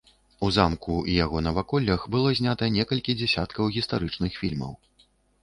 У замку і яго наваколлях было знята некалькі дзясяткаў гістарычных фільмаў.